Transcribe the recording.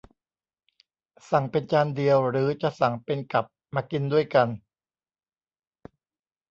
สั่งเป็นจานเดียว หรือจะสั่งเป็นกับมากินด้วยกัน